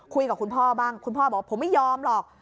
คุยกับคุณพ่อบ้างคุณพ่อบอกว่าผมไม่ยอมหรอก